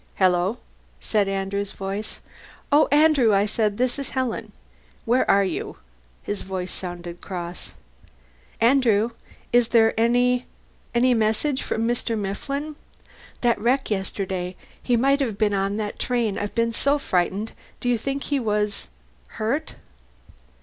"Hello?" said Andrew's voice. "Oh, Andrew," I said, "this is Helen." "Where are you?" (His voice sounded cross.) "Andrew, is there any any message from Mr. Mifflin? That wreck yesterday he might have been on that train I've been so frightened; do you think he was hurt?"